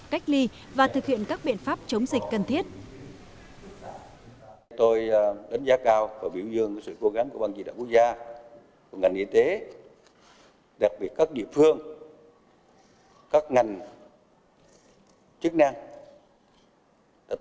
cách ly và thực hiện các biện pháp chống dịch cần thiết